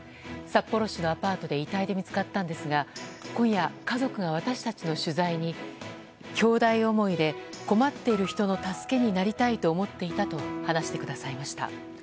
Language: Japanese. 札幌市のアパートで遺体で見つかったんですが今夜家族が、私たちの取材にきょうだい思いで困っている人の助けになりたいと思っていたと話してくださいました。